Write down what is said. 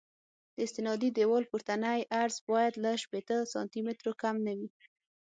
د استنادي دیوال پورتنی عرض باید له شپېته سانتي مترو کم نه وي